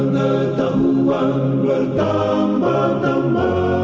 datang sedang datang sedang